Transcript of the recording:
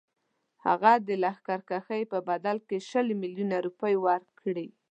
هغه د لښکرکښۍ په بدل کې شل میلیونه روپۍ ورکړي.